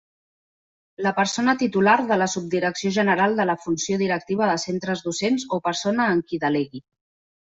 La persona titular de la Subdirecció general de la Funció Directiva de Centres Docents o persona en qui delegui.